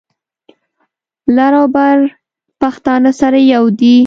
لر او بر پښتانه سره یو دي.